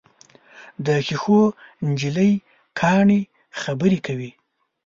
د ښیښو نجلۍ کاڼي خبرې کوي.